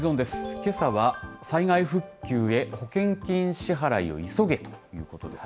けさは、災害復旧へ、保険金支払いを急げということです。